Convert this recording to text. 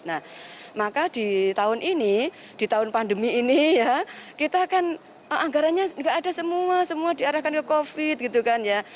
nah maka di tahun ini di tahun pandemi ini ya kita kan anggarannya nggak ada semua semua diarahkan ke covid gitu kan ya